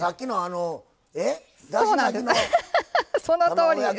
そのとおり。